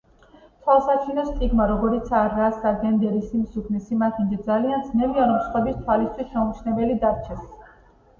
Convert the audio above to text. თვალსაჩინო სტიგმა, როგორიცაა რასა, გენდერი, სიმსუქნე, სიმახინჯე ძალიან ძნელია, რომ სხვების თვალისთვის შეუმჩნეველი დარჩეს.